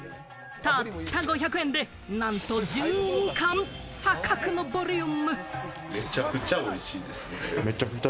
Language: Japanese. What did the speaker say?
たった５００円で、なんと１２貫、破格のボリューム。